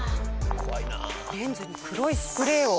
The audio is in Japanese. レンズに黒いスプレーを。